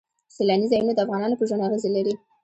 سیلاني ځایونه د افغانانو په ژوند اغېزې لري.